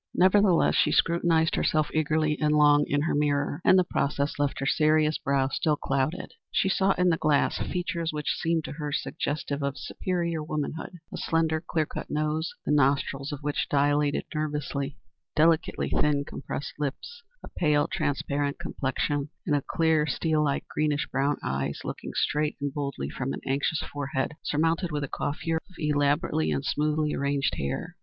Nevertheless she scrutinized herself eagerly and long in her mirror, and the process left her serious brow still clouded. She saw in the glass features which seemed to her suggestive of superior womanhood, a slender clear cut nose, the nostrils of which dilated nervously, delicately thin, compressed lips, a pale, transparent complexion, and clear, steel like, greenish brown eyes looking straight and boldly from an anxious forehead surmounted with a coiffure of elaborately and smoothly arranged hair.